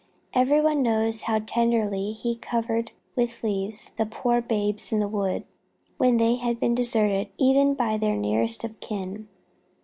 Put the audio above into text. Every one knows how tenderly he covered with leaves the poor Babes in the Wood, when they had been deserted even by their nearest of kin.